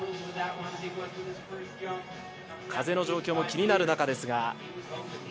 風の状況も気になる中ですが。